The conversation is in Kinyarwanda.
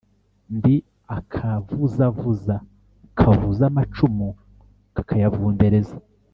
Ndi akavuzavuza, kavuza amacumu kakayavundereza,